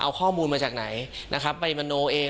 เอาข้อมูลมาจากไหนไปจันนซุรายเอง